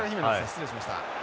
失礼しました。